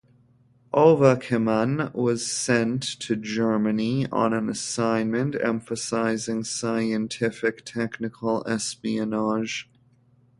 Ovakimian was sent to Germany on an assignment emphasizing scientific-technical espionage.